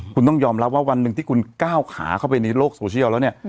คุณต้องยอมรับว่าวันหนึ่งที่คุณก้าวขาเข้าไปในโลกโซเชียลแล้วเนี่ย